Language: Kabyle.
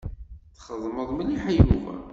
Txedmeḍ mliḥ a Yuba.